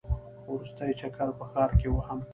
وروستی چکر په ښار کې وهم.